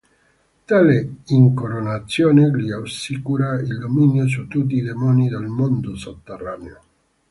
Tale incoronazione gli assicura il dominio su tutti i demoni del mondo sotterraneo.